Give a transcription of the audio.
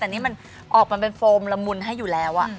แต่นี่มันออกมาเป็นโฟมละมุนให้อยู่แล้ว